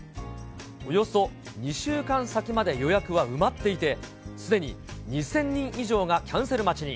およそ２週間先まで予約は埋まっていて、すでに２０００人以上がキャンセル待ちに。